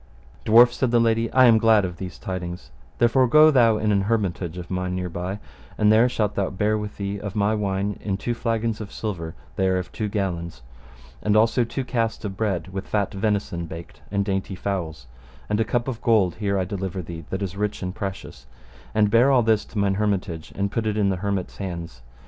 Dwarf, said the lady, I am glad of these tidings, therefore go thou in an hermitage of mine hereby, and there shalt thou bear with thee of my wine in two flagons of silver, they are of two gallons, and also two cast of bread with fat venison baked, and dainty fowls; and a cup of gold here I deliver thee, that is rich and precious; and bear all this to mine hermitage, and put it in the hermit's hands.